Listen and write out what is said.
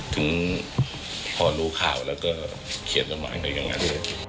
ถึงพอรู้ข่าวแล้วก็เขียนสมัยกันอย่างนั้น